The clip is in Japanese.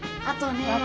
あとね。